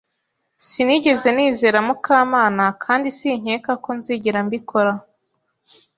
Sinigeze nizera Mukamana kandi sinkeka ko nzigera mbikora.